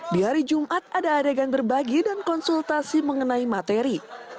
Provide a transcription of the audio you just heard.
di hari jumat ada adegan berbagi dan konsultasi mengenai materi